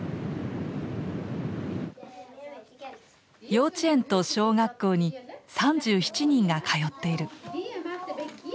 幼稚園と小学校に３７人が通ってる。